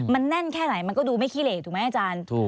มันแน่นแค่ไหนมันก็ดูไม่ขี้เหลกถูกไหมอาจารย์